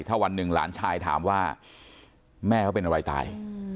ถ้าวันหนึ่งหลานชายถามว่าแม่เขาเป็นอะไรตาย